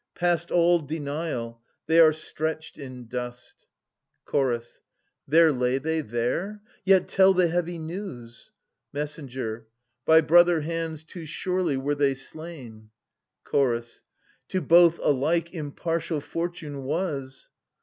Past all denial, they are stretched in dust. THE SE VEN A GAINST THEBES. 37 Chorus. There lie they, there ?— yet tell the heavy news. 810 Messenger. By brother hands too surely were they slain. Chorus. To both alike impartial fortune was